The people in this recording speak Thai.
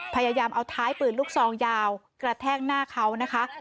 พยายามเอาท้ายปืนลูกซองยาวกระแทกหน้าเขานะคะ